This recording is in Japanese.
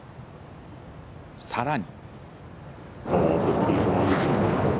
さらに。